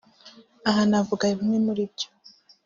Aha navuga bimwe muribyo